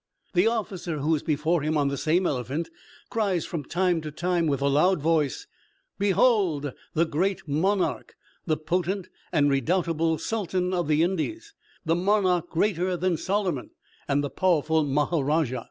The officer who is before him on the same elephant cries from time to time, with a loud voice, 'Behold the great monarch, the potent and redoubtable Sultan of the Indies, the monarch greater than Solomon, and the powerful Maharaja.'